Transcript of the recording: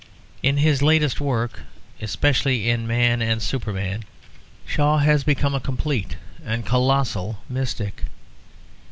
In his latest work, especially in Man and Superman, Shaw has become a complete and colossal mystic.